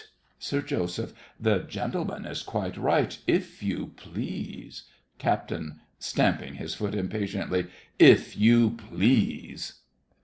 SIR JOSEPH. The gentleman is quite right. If you please. CAPT. (stamping his foot impatiently). If you please!